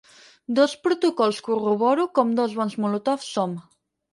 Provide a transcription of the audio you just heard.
Dos protocols corroboro com dos bons Molotov som.